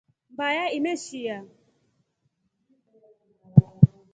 Mbaya imeshiya.